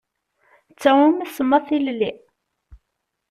D ta i wumi tsemmaḍ tilelli?